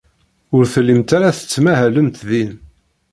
Ur tellimt ara tettmahalemt din.